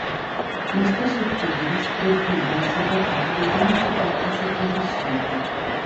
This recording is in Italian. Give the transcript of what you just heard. Lo stesso "Tigris" provvide al salvataggio degli unici quattro sopravvissuti.